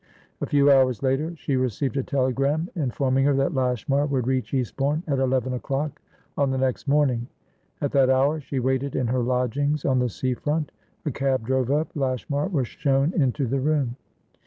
A few hours later she received a telegram informing her that Lashmar would reach Eastbourne at eleven o'clock on the next morning. At that hour, she waited in her lodgings on the sea front. A cab drove up; Lashmar was shown into the room.